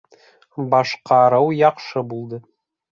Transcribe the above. Башҡарыу яҡшы булды